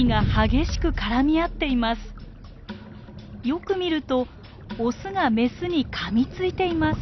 よく見るとオスがメスにかみついています。